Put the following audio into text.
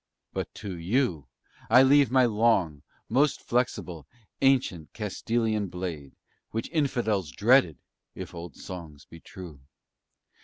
But to you I leave my long, most flexible, ancient Castilian blade, which infidels dreaded if old songs be true.